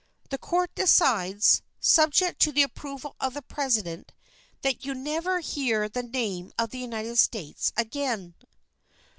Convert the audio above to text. The Court decides, subject to the approval of the President, that you never hear the name of the United States again."